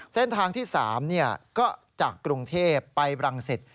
เส้นทางที่๓ก็จากกรุงเทพไปบรังสิต